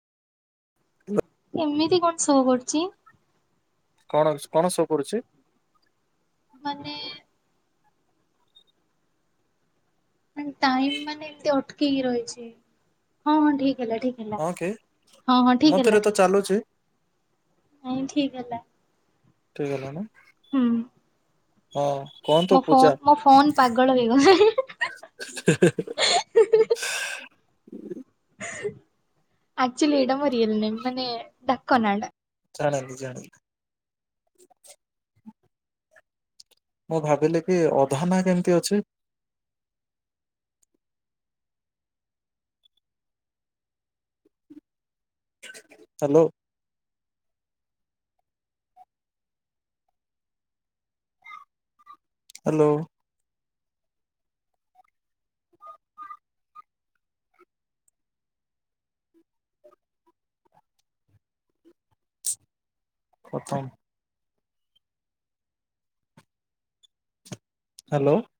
ଏମିତି କଣ ସୋ କରୁ କଣ କଣ ସୋ କରୁଛି ମାନେ ମାନେ ଟାଇମ ମାନେ ଏମତି ଅଟକିକି ରହିଛି ହଁ ହଁ ଠିକ ହେଲା ଠିକ ହେଲା ହଁ କି ହଁ ହଁ ଠିକ ମତେରେ ହେଲା ତ ଠିକ ଚାଲୁଛି ହଁ ଠିକ ହେଲା ଠିକ୍ ହେଲା ନା ହୁଁ ହଁ କହନ୍ତୁ ମୋ ଫୋନ ପୂଜା ମୋ ଫୋନ ପାଗଳ ହେଇଗଲାଣି [inaudible] ଆକ୍ଚୁଲି ଏଇଟା ମୋ ରିଏଲ ନେମ୍ ମାନେ ଡାକ ନାଁ ଟା ଜାଣିଲି ଜାଣିଲି ମୁଁ ଭାବିଲି କି ଅଧା ନା କେମିତି ଅଛି ହାଲୋ ହାଲୋ [unintelligible] ହାଲୋ